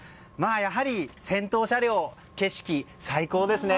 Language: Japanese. やはり先頭車両、景色最高ですね。